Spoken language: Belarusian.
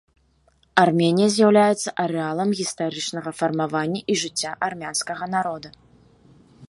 Арменія з'яўляецца арэалам гістарычнага фармавання і жыцця армянскага народа.